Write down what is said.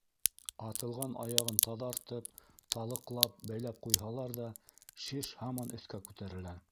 Атылған аяғын таҙартып, талыҡлап бәйләп ҡуйһалар ҙа шеш һаман өҫкә күтәрелә.